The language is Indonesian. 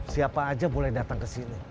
siapa aja boleh datang ke sini